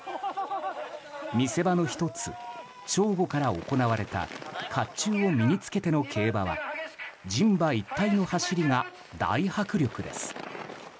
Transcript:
見せ場の１つ、正午から行われた甲冑を身に着けての競馬は人馬一体の走りが大迫力です。